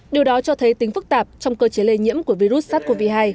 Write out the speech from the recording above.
điều đó cho thấy tính phức tạp trong cơ chế lây nhiễm của virus sars cov hai